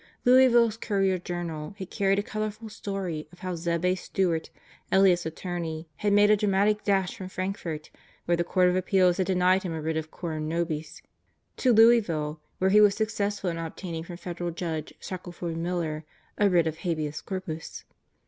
Louisville's Courier Journal had carried a colorful story of how Zeb A. Stewart, Elliott's attorney, had made a dramatic dash from Frankfort, where the Court of Appeals had denied him a writ of coram nobis, to Louisville, where he was successful in obtaining from Federal Judge, Shackelford Miller, a writ of habeas corpus.